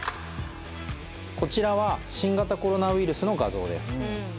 こちらは新型コロナウイルスの画像です